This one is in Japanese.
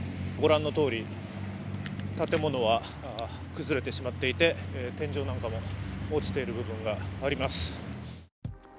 御覧のとおり建物は崩れてしまっていて天井なんかも落ちている部分があります。